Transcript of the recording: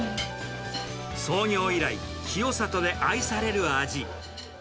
創業以来、清里で愛される味。